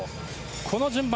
この順番。